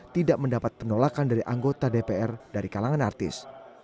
tidak mendapat penolakan dari anggota dpr dari kalangan artis